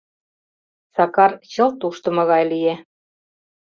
Сакар чылт ушдымо гай лие.